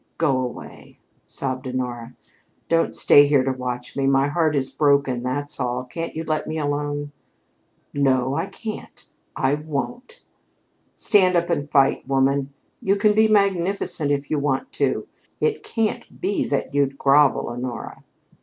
"Go away," sobbed Honora. "Don't stay here to watch me. My heart is broken, that's all. Can't you let me alone?" "No, I can't I won't. Stand up and fight, woman. You can be magnificent, if you want to. It can't be that you'd grovel, Honora."